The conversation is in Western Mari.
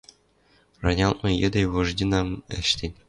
Ранялтмы йӹде вождьнам ӓштен